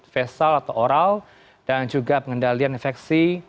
festal atau oral dan juga pengendalian infeksi